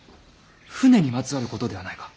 船にまつわることではないか。